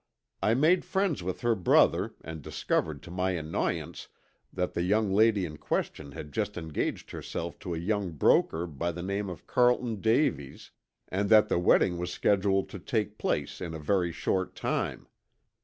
I made friends with her brother and discovered to my annoyance that the young lady in question had just engaged herself to a young broker by the name of Carlton Davies and that the wedding was scheduled to take place in a very short time.